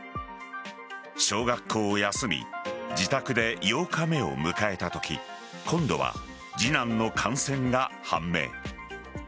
小学校を休み自宅で８日目を迎えたとき今度は次男の感染が判明。